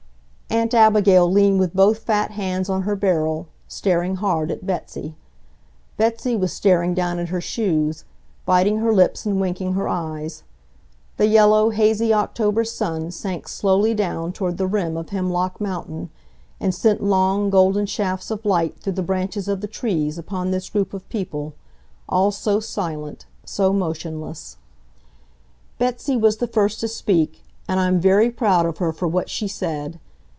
Aunt Abigail leaned with both fat hands on her barrel, staring hard at Betsy. Betsy was staring down at her shoes, biting her lips and winking her eyes. The yellow, hazy October sun sank slowly down toward the rim of Hemlock Mountain, and sent long, golden shafts of light through the branches of the trees upon this group of people, all so silent, so motionless. [Illustration: Betsy was staring down at her shoes, biting her lips and winking her eyes.] Betsy was the first to speak, and I'm very proud of her for what she said.